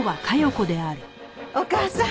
お義母さん